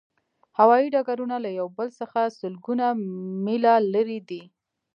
هوایی ډګرونه له یو بل څخه سلګونه میله لرې دي